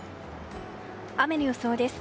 雨の予想です。